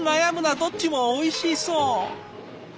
どっちもおいしそう。